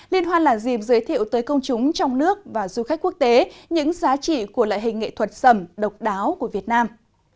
liên hoan là dìm giới thiệu tới công chúng trong nước và du khách quốc tế những giá trị của loại hình nghệ thuật sầm độc đáo của việt nam